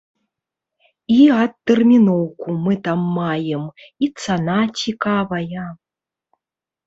І адтэрміноўку мы там маем, і цана цікавая.